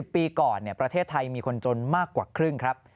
ปีก่อนประเทศไทยมีคนจนมากกว่าครึ่งครับ